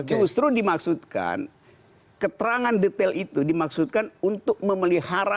justru dimaksudkan keterangan detail itu dimaksudkan untuk memelihara hak yang diperlukan